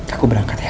aku berangkat ya